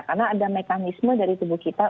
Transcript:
karena ada mekanisme dari tubuh kita